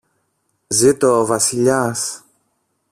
Ζήτω ο Βασιλιάς!